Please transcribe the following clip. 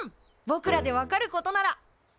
ぼくらで分かることなら。